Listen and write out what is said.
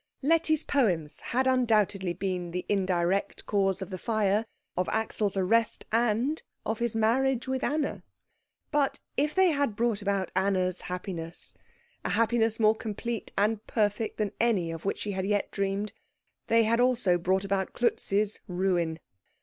Letty's poems had undoubtedly been the indirect cause of the fire, of Axel's arrest, and of his marriage with Anna. But if they had brought about Anna's happiness, a happiness more complete and perfect than any of which she had dreamed, they had also brought about Klutz's ruin.